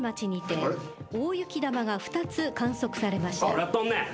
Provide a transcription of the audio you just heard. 食らっとんねん。